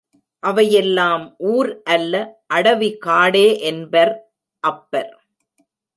அவையெல்லாம் ஊர் அல்ல அடவி காடே என்பர் அப்பர்.